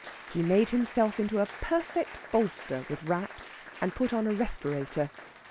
He made himself into a perfect bolster with wraps, and put on a respirator.